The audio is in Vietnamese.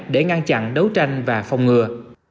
để ngăn chặn đấu tranh và phòng ngừa